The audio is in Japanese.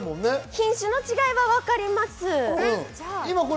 品種の違いは分かります。